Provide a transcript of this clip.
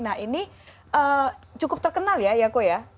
nah ini cukup terkenal ya ya kok ya